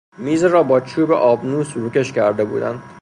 میز را با چوب ابنوس روکش کرده بودند.